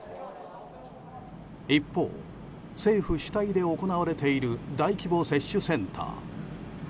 一方、政府主体で行われている大規模接種センター。